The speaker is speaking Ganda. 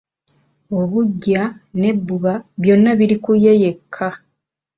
Obuggya n'ebbuba byonna biri ku ye yekka.